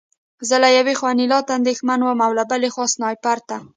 زه له یوې خوا انیلا ته اندېښمن وم او بل خوا سنایپر ته